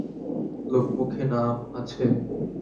লোকমুখে নাম আছে?